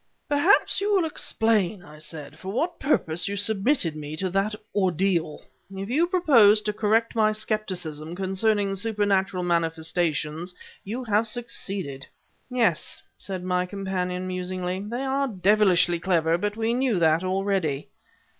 "Perhaps you will explain," I said, "for what purpose you submitted me to that ordeal. If you proposed to correct my skepticism concerning supernatural manifestations, you have succeeded." "Yes," said my companion, musingly, "they are devilishly clever; but we knew that already."